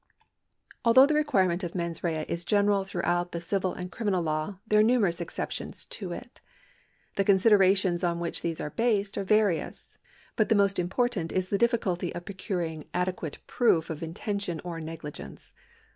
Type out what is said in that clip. ^ Although the requirement of viens rea is general through out the civil and criminal law, there are numerous exceptions to it. The considerations on which these are based are various, but the most important is the difficulty of procuring adequate proof of intention or negligence.